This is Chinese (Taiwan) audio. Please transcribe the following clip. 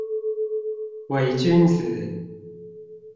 偽君子